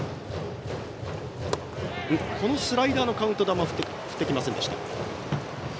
スライダーのカウント球は振ってきませんでした。